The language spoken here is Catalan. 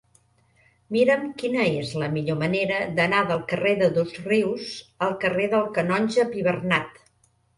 Mira'm quina és la millor manera d'anar del carrer de Dosrius al carrer del Canonge Pibernat.